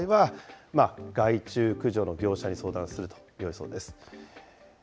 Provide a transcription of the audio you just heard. それでも被害が続く場合は、害虫駆除の業者に相談するとよいそうです。